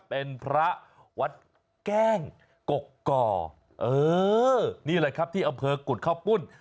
เป็นพระวัดแกล้งกก่อเออนี่แหละครับที่อำเภอกุฎข้าวปุ้น